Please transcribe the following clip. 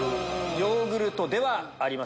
ヨーグルトではありません。